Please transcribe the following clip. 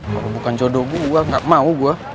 kalau bukan jodoh gue gue gak mau gue